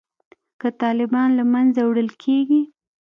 که طالبان له منځه وړل کیږي